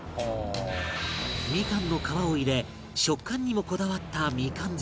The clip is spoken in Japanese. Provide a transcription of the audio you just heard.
みかんの皮を入れ食感にもこだわったみかんゼリー